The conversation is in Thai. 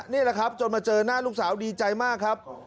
นี่แหละครับจนมาเจอหน้าลูกสาวดีใจมากครับ